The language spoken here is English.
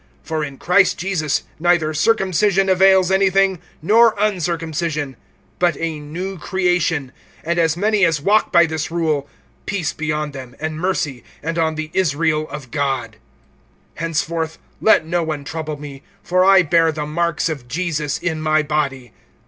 (15)For in Christ Jesus neither circumcision avails anything, nor uncircumcision, but a new creation. (16)And as many as walk by this rule, peace be on them, and mercy, and on the Israel of God. (17)Henceforth let no one trouble me; for I bear the marks of Jesus in my body.